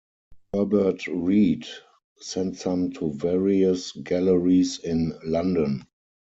Herbert Read sent some to various galleries in London.